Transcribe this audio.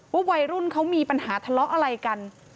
วัยรุ่นเขามีปัญหาทะเลาะอะไรกัน